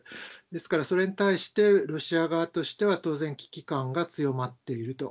ですから、それに対してロシア側としては当然、危機感が強まっていると。